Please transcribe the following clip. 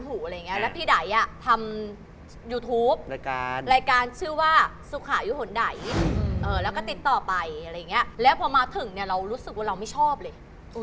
เหมือนกับเลยเอ่อแล้วก็ติดต่อไปอะไรงี้แล้วพอมาถึงเนี่ยเรารู้สึกว่าเราไม่ชอบเลย